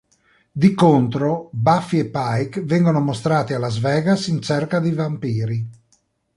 Di contro, Buffy e Pike vengono mostrati a Las Vegas in cerca di vampiri.